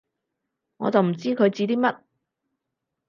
我就唔知佢指啲乜